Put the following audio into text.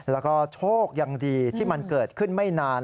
แล้วก็โชคยังดีที่มันเกิดขึ้นไม่นาน